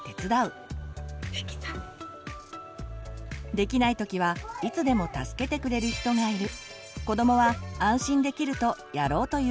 できないときはいつでも助けてくれる人がいる。